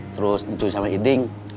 terus ncu sama iding